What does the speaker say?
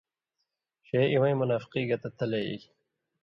ݜے اِوَیں منافقی گتہ تلے ایلیۡ۔